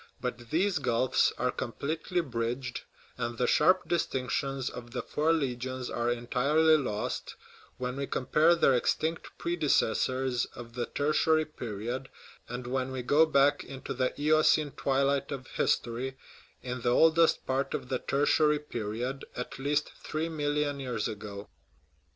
But these gulfs are completely bridged, and the sharp distinctions of the four legions are entirely lost, when we compare their extinct predecessors of the Tertiary period, and when we go back into the Eocene twilight of history, in the oldest part of the Tertiary period at least three million years ago.